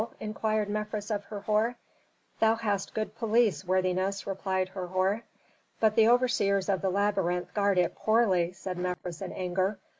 inquired Mefres of Herhor. "Thou hast good police, worthiness," replied Herhor. "But the overseers of the labyrinth guard it poorly!" said Mefres in anger.